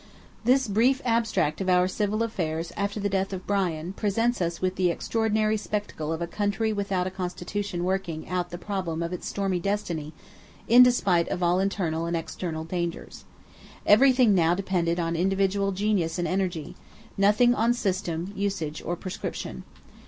This brief abstract of our civil affairs after the death of Brian, presents us with the extraordinary spectacle of a country without a constitution working out the problem of its stormy destiny in despite of all internal and external dangers. Everything now depended on individual genius and energy; nothing on system, usage, or prescription.